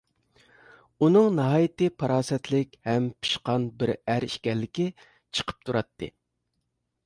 ئۇنىڭ ناھايىتى پاراسەتلىك ھەم پىشقان بىر ئەر ئىكەنلىكى چىقىپ تۇراتتى.